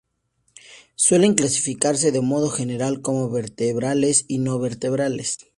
Suelen clasificarse de modo general como vertebrales y no vertebrales.